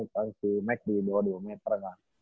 kan si mac di dua meter kan